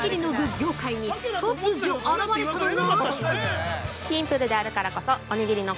業界に突如現れたのが◆